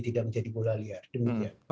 tidak menjadi bola liar demikian